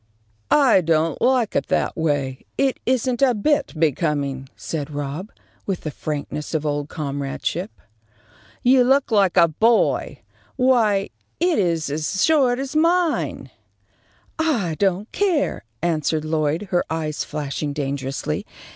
"I don't like it that way. It isn't a bit becoming," said Rob, with the frankness of old comradeship. "You look like a boy. Why, it is as short as mine." "I don't care," answered Lloyd, her eyes flashing dangerously.